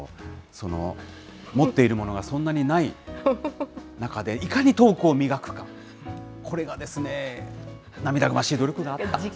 その持っているものがそんなにない中で、いかにトークを磨くか、これがですね、涙ぐましい努力があった。